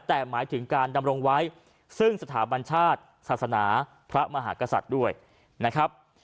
แต่หมายถึงการดำรงไว้ซึ่งสถาบัญชาติศาสนาพระมหากษัตริย์ด้วยนะครับ